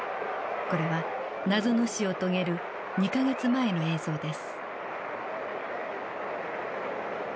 これは謎の死を遂げる２か月前の映像です。